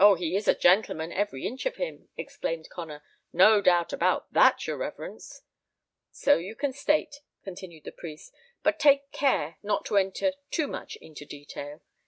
he is a gentleman, every inch of him," exclaimed Connor. "No doubt about that, your reverence." "So you can state," continued the priest; "but take care not to enter too much into detail.